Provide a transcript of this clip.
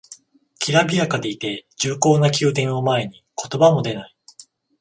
きらびやかでいて重厚な宮殿を前に言葉も出ない